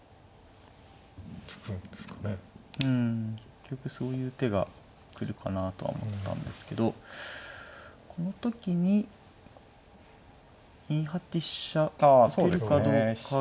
結局そういう手が来るかなとは思ったんですけどこの時に２八飛車打てるかどうかが。